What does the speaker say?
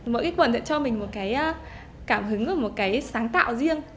mỗi chiếc quần lại cho mình một cái cảm hứng và một cái sáng tạo riêng